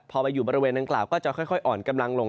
พอไปอยู่บริเวณดังกล่าวก็จะค่อยอ่อนกำลังลง